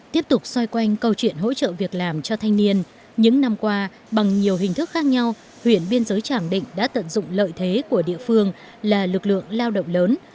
tiếp tục xoay quanh câu chuyện hỗ trợ việc làm cho thanh niên những năm qua bằng nhiều hình thức khác nhau huyện biên giới tràng định đã tận dụng lợi thế của địa phương là lực lượng lao động lớn